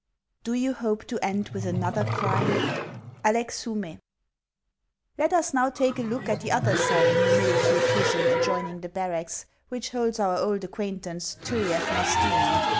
L. Do you hope to end with another crime ?— ALEX. SOUMET. LET us now take a look at the other cell in the mili tary prison adjoining the barracks, which holds our old acquaintance, Turiaf Musdoemon.